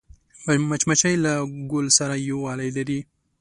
مچمچۍ له ګل سره یووالی لري